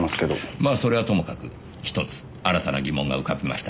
まあそれはともかく１つ新たな疑問が浮かびました。